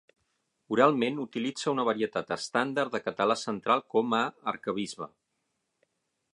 Oralment utilitza una varietat estàndard de català central com a Arquebisbe.